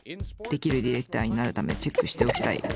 デキるディレクターになるためチェックしておきたい。